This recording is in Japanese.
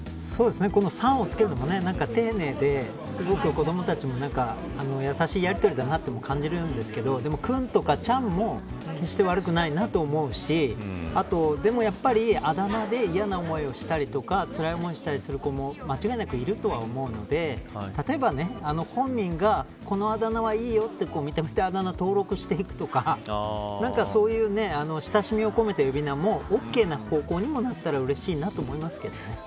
さんをつけるのも丁寧ですごく子どもたちも、優しいやりとりだなとも感じるんですけどでも、君とか、ちゃんも決して悪くないなと思うしでも、やっぱりあだ名で嫌な思いをしたりとかつらい思いをしたりする子も間違いなくいるとは思うので例えば、本人がこのあだ名はいいよと認めたあだ名を登録していくとかそういう親しみを込めた呼び名もオーケーな方向にもなったらうれしいなと思いますけどね。